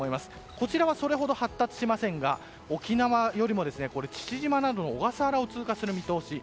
こちらはそれほど発達しませんが沖縄よりも父島などの小笠原を通過する見通し。